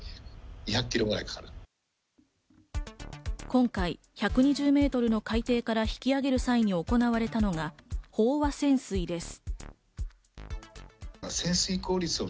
今回、１２０メートルの海底から引き揚げられる際に行われたのが飽和潜水です。